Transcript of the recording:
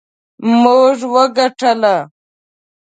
موږ وګټله